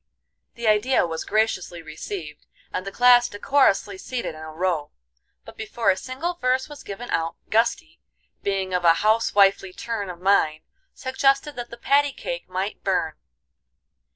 The idea was graciously received, and the class decorously seated in a row. But before a single verse was given out, Gusty, being of a house wifely turn of mind, suggested that the patty cake might burn.